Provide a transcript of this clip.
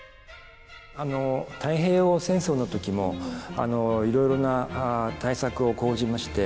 太平洋戦争の時もいろいろな対策を講じまして。